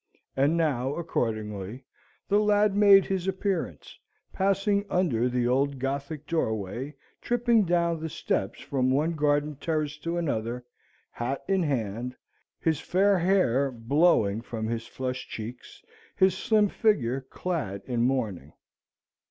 And now, accordingly, the lad made his appearance, passing under the old Gothic doorway, tripping down the steps from one garden terrace to another, hat in hand, his fair hair blowing from his flushed cheeks, his slim figure clad in mourning.